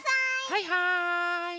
はいはい！